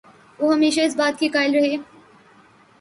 وہ ہمیشہ اس بات کے قائل رہے